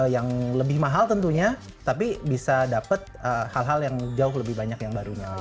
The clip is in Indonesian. yang lebih mahal tentunya tapi bisa dapat hal hal yang jauh lebih banyak yang barunya